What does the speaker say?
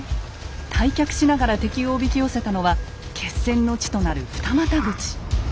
退却しながら敵をおびき寄せたのは決戦の地となる二股口。